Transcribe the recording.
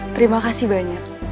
terima kasih banyak